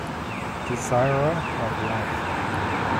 "Desirer of Life".